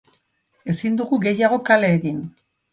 Ezin dugu gehiago kale egin.